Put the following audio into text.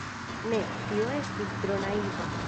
Ne, tio estus tro naiva.